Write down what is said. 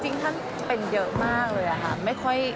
จริงท่านเป็นเยอะมากเลยค่ะ